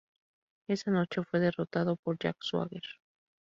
Esa noche fue derrotado por Jack Swagger.